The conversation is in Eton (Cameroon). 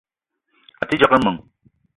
A te djegue meng.